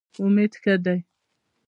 امید ښه دی.